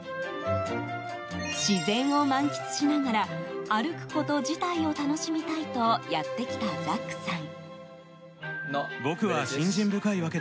自然を満喫しながら歩くこと自体を楽しみたいとやってきたザックさん。